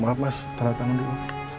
maaf mas terangkan dulu